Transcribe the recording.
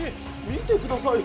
見てください！